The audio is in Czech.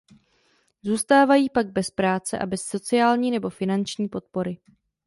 Zůstávají pak bez práce a bez sociální nebo finanční podpory.